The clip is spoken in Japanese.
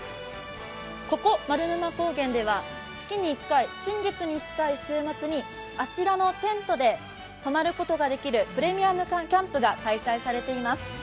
ここ丸沼高原では月に１回、新月に近い週末にあちらのテントで泊まることができるプレミアムキャンプが開催されています。